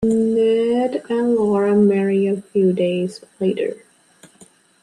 Ned and Laura marry a few days later.